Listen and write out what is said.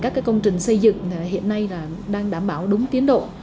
các công trình xây dựng hiện nay đang đảm bảo đúng tiến độ